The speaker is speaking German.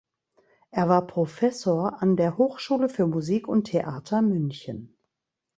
Er war Professor an der Hochschule für Musik und Theater München.